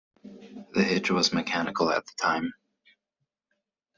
The hitch was mechanical at the time.